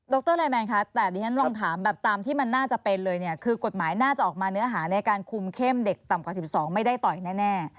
รลายแมนคะแต่ดิฉันลองถามแบบตามที่มันน่าจะเป็นเลยเนี่ยคือกฎหมายน่าจะออกมาเนื้อหาในการคุมเข้มเด็กต่ำกว่า๑๒ไม่ได้ต่อยแน่